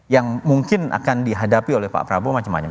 yang mungkin akan dihadapi oleh pak prabowo macam macam